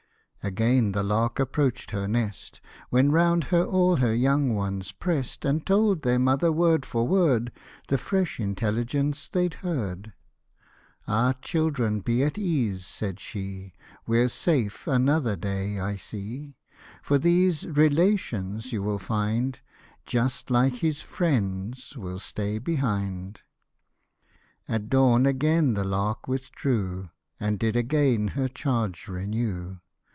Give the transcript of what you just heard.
Again the lark approach'd her nest, When round her all her young one's prest, And told their mother, word for word, The fresh intelligence they'd heard. " Ah ! children, be at ease," said she ;" We're safe another day, I see ; For these relations, you will find, Just like his friends, will stay behind." At dawn again the lark withdrew, And did again her charge renew.